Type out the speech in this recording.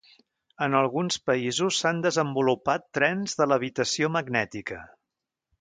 En alguns països s'han desenvolupat trens de levitació magnètica.